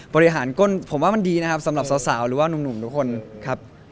บริหารก้นผมว่ามันดีนะครับสำหรับสาวหรือว่าหนุ่มทุกคนครับ